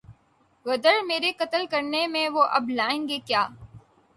عذر میرے قتل کرنے میں وہ اب لائیں گے کیا